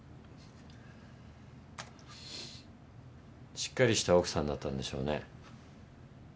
しっかりした奥さんだったんでしょうね。